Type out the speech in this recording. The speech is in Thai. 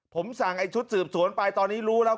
ผมสั่งไอ้ชุดสืบสวนไปตอนนี้รู้แล้ว